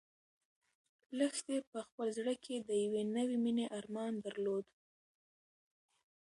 لښتې په خپل زړه کې د یوې نوې مېنې ارمان درلود.